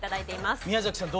宮崎さん